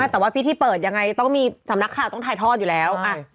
แต่ว่าพิธีเปิดยังไงต้องมีสำนักข่าวต้องถ่ายทอดอยู่แล้ว